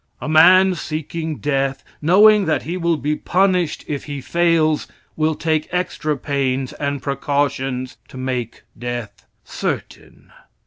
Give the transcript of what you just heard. A man seeking death, knowing that he will be punished if he fails, will take extra pains and precautions to make death certain.